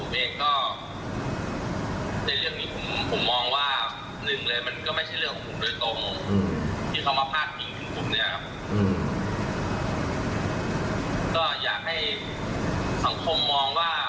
โดยตรงอืมที่เขามาพาดผิงขึ้นปุ่มเนี้ยครับอืมก็อยากให้สังคมมองว่า